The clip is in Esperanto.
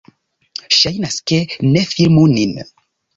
Ŝajnas, ke... - Ne filmu nin!